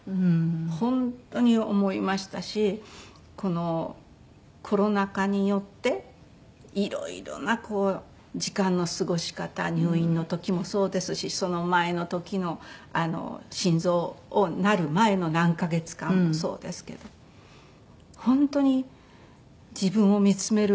本当に思いましたしこのコロナ禍によって色々な時間の過ごし方入院の時もそうですしその前の時の心臓をなる前の何カ月間もそうですけど本当に自分を見つめる